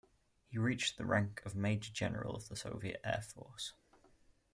He reached the rank of Major-General of the Soviet Air Force.